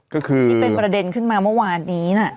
ก็คือที่เป็นประเด็นขึ้นมาเมื่อวานนี้นะ